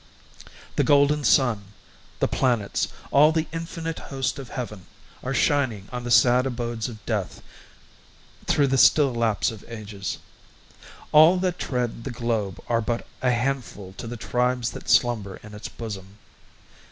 The golden sun, The planets, all the infinite host of heaven, Are shining on the sad abodes of death Through the still lapse of ages. All that tread The globe are but a handful to the tribes That slumber in its bosom.